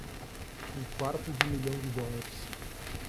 Um quarto de milhão de dólares.